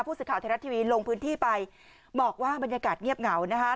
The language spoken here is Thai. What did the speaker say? สื่อข่าวไทยรัฐทีวีลงพื้นที่ไปบอกว่าบรรยากาศเงียบเหงานะคะ